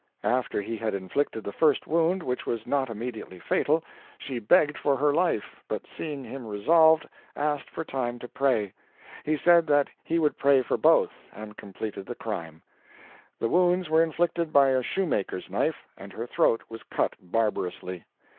After he had inflicted the first wound, which was not immediately fatal, she begged for her life, but seeing him resolved, asked for time to pray. He said that he would pray for both, and completed the crime. The wounds were inflicted by a shoemaker's knife, and her throat was cut barbarously.